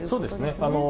そうですね。